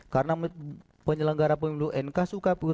karena penyelenggara penyelidikan nksu kpu